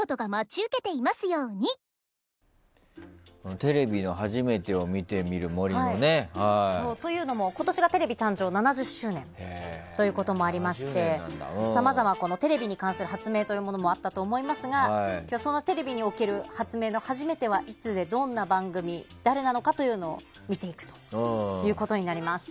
テレビの初めてを見てみるの森もね。というのも今年がテレビ誕生７０周年ということもありましてさまざまテレビに関する発明もあったと思いますがそのテレビにおける発明の初めては、いつでどんな番組で誰なのかというのを見ていくということになります。